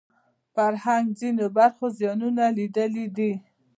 فرهنګ ځینو برخو زیانونه لیدلي دي